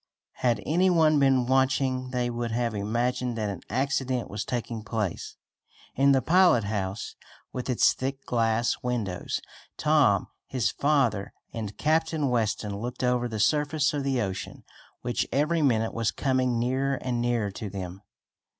Had any one been watching they would have imagined that an accident was taking place. In the pilot house, with its thick glass windows, Tom, his father and Captain Weston looked over the surface of the ocean, which every minute was coming nearer and nearer to them.